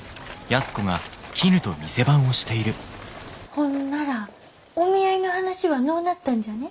ほんならお見合いの話はのうなったんじゃね？